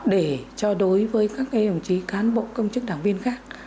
để cho đối với các đồng chí cán bộ công chức đảng viên khác